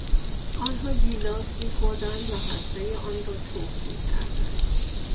آنها گیلاس میخوردند و هستهی آن را تف میکردند.